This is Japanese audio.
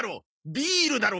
ビールだろ！